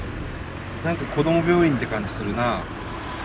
何かこども病院って感じするなあ。